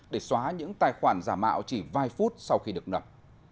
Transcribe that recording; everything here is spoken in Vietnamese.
để xóa những tài khoản giả mạo chỉ vài phút sau khi được nập